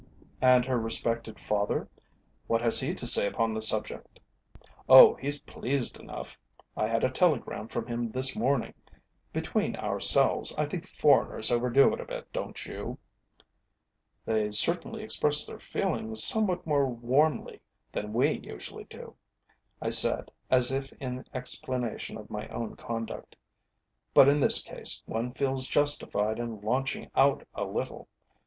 "And her respected father? What has he to say upon the subject?" "Oh, he's pleased enough. I had a telegram from him this morning. Between ourselves, I think foreigners overdo it a bit, don't you?" "They certainly express their feelings somewhat more warmly than we usually do," I said, as if in explanation of my own conduct; "but in this case one feels justified in launching out a little.